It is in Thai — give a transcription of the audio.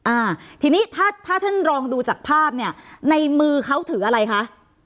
อ่าทีนี้ถ้าถ้าท่านลองดูจากภาพเนี่ยในมือเขาถืออะไรคะ